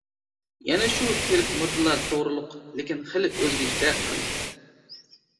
يەنى شۇ تىرىك مۇردىلار توغرۇلۇق، لېكىن خېلى ئۆزگىچىدەك قىلىدۇ.